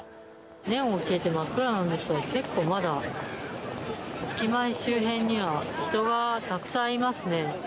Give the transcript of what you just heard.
ネオンも消えて真っ暗なんですけど、結構、まだ駅前周辺には人がたくさんいますね。